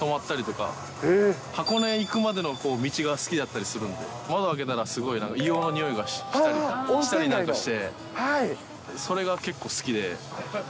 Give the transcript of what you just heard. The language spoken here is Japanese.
行くまでの道が好きだったりするんで、窓開けたら、すごい硫黄の匂いがしたりなんかして、それが結構好きで。